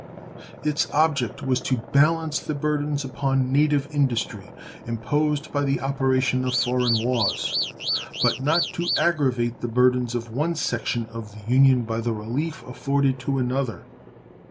Its object was to balance the burdens upon native industry imposed by the operation of foreign laws, but not to aggravate the burdens of one section of the Union by the relief afforded to another.